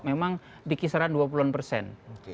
memang di kisaran dua puluh an persen